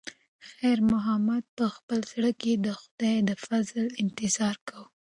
خیر محمد په خپل زړه کې د خدای د فضل انتظار کاوه.